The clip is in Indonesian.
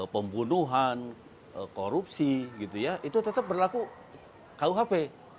pembunuhan korupsi itu tetap berlaku kuhp